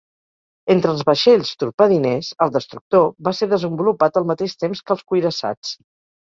Entre els vaixells torpediners, el destructor, va ser desenvolupat al mateix temps que els cuirassats.